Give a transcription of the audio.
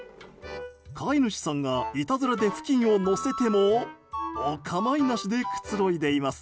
飼い主さんがいたずらで布巾を載せてもお構いなしでくつろいでいます。